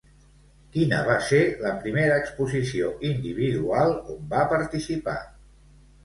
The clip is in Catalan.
Quina va ser la primera exposició individual on va participar?